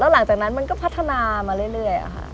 หลังจากนั้นมันก็พัฒนามาเรื่อยค่ะ